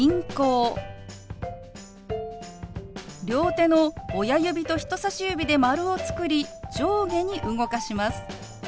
両手の親指と人さし指で丸を作り上下に動かします。